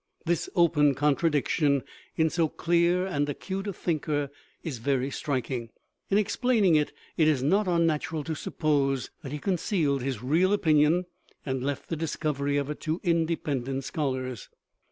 This open contradiction in so clear and acute a thinker is very striking; in explaning it, it is not unnatural to suppose that he concealed his real opin ion, and left the discovery of it to independent scholars.